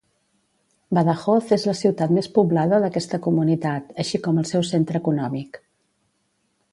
Badajoz és la ciutat més poblada d'aquesta comunitat, així com el seu centre econòmic.